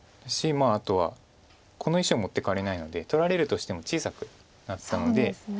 あとはこの石を持っていかれないので取られるとしても小さくなったので。